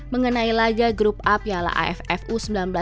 mengenai laga group up yalah affu sembilan belas dua ribu dua puluh dua